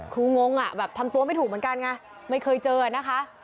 งงอ่ะแบบทำตัวไม่ถูกเหมือนกันไงไม่เคยเจอนะคะ